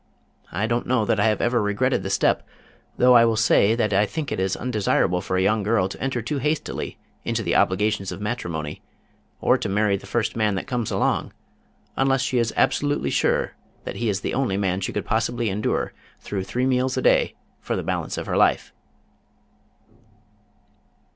I don't know that I have ever regretted the step, though I will say that I think it is undesirable for a young girl to enter too hastily into the obligations of matrimony, or to marry the first man that comes along, unless she is absolutely sure that he is the only man she could possibly endure through three meals a day for the balance of her life."